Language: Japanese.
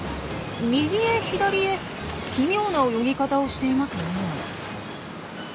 右へ左へ奇妙な泳ぎ方をしていますねえ。